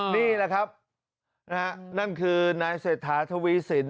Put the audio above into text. นี่แหละครับนั่นคือนายเศรษฐาทวีสิน